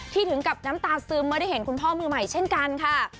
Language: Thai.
ถึงกับน้ำตาซึมเมื่อได้เห็นคุณพ่อมือใหม่เช่นกันค่ะ